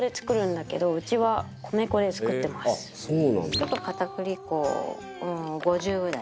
ちょっと片栗粉を５０ぐらい。